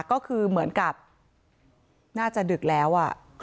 ก็คือเหมือนกับน่าจะดึกแล้ว